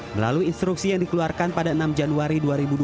melalui instruksi yang dikeluarkan pada enam januari dua ribu dua puluh